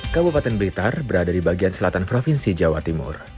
kabupaten blitar berada di bagian selatan provinsi jawa timur